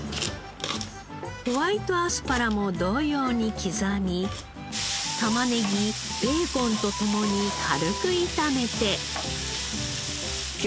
ホワイトアスパラも同様に刻み玉ねぎベーコンと共に軽く炒めて。